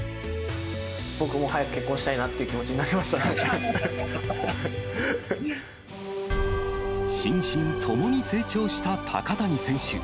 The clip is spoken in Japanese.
僕も早く結婚したいなってい心身ともに成長した高谷選手。